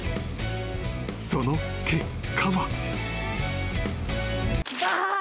［その結果は］